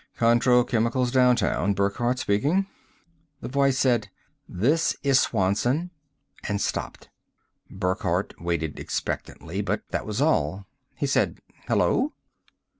"Contro Chemicals Downtown, Burckhardt speaking." The voice said, "This is Swanson," and stopped. Burckhardt waited expectantly, but that was all. He said, "Hello?"